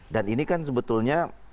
dan ini kan sebetulnya